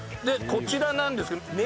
でこちらなんですけど。